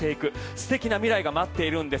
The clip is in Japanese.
素敵な未来が待っているんです。